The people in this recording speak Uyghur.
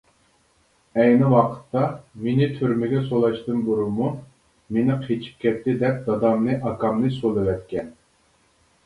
ئەينى ۋاقىتتا مېنى تۈرمىگە سولاشتىن بۇرۇنمۇ مېنى قېچىپ كەتتى دەپ دادامنى، ئاكامنى سولىۋەتكەن.